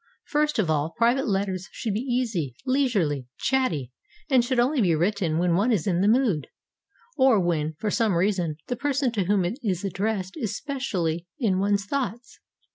First of all, private letters should be easy, leisurely, chatty, and should only be written when one is in the mood, or when, for some reason, the person to whom it is addressed is specially in one's thoughts.